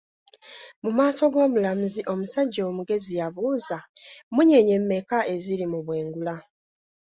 Mu maaso g'omulamuzi, omusajja omugezi yabuuza, mmunyeenye mmeka eziri mu bwengula?